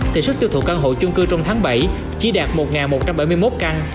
thì sức tiêu thụ căn hộ chung cư trong tháng bảy chỉ đạt một một trăm bảy mươi một căn